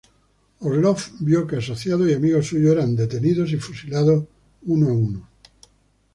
Orlov vio que asociados y amigos suyos eran detenidos y fusilados uno a uno.